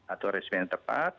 atau resimen yang tepat